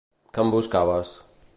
Que em buscaves?